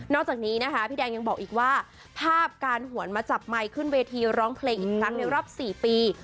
จากนี้นะคะพี่แดงยังบอกอีกว่าภาพการหวนมาจับไมค์ขึ้นเวทีร้องเพลงอีกครั้งในรอบ๔ปี